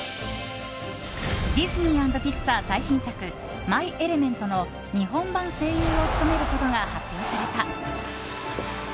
ディズニー＆ピクサー最新作「マイ・エレメント」の日本版声優を務めることが発表された。